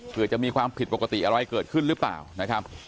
เผื่อจะมีความผิดปกติอะไรเกิดขึ้นหรือเปล่านะครับ